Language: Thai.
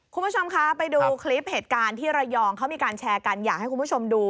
คุณผู้ชมคะไปดูคลิปเหตุการณ์ที่ระยองเขามีการแชร์กันอยากให้คุณผู้ชมดู